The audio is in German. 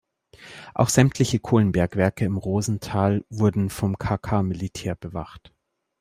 Auch sämtliche Kohlenbergwerke in Rosental wurden vom kk Militär bewacht.